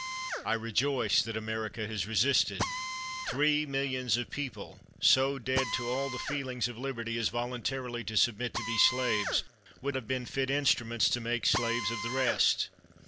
I rejoice that America has resisted. Three mil lions of people, so dead to all the feelings of liberty as voluntarily to submit to be slaves, would have been fit instruments to make slaves of the rest.